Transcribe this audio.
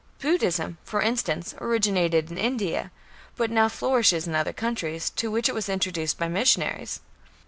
Buddhism, for instance, originated in India, but now flourishes in other countries, to which it was introduced by missionaries.